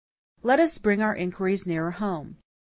Let us bring our inquiries nearer home.